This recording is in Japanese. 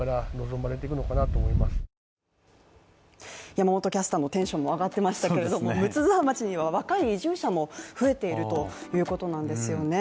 山本キャスターのテンションも上がってましたけれども睦沢町には若い移住者も増えているということなんですよね